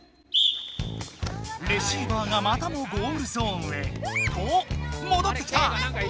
レシーバーがまたもゴールゾーンへ！ともどってきた！